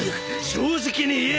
正直に言え！